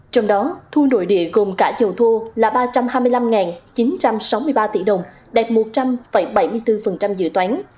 trong đó thu nội địa gồm cả dầu thô là ba trăm hai mươi năm chín trăm sáu mươi ba tỷ đồng đạt một trăm linh bảy mươi bốn dự toán